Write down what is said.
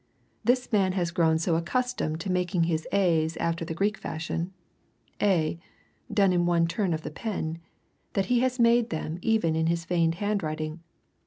This man has grown so accustomed to making his a's after the Greek fashion a done in one turn of the pen that he has made them even in his feigned handwriting!